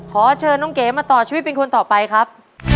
ขอเชิญน้องเก๋มาต่อชีวิตเป็นคนต่อไปครับ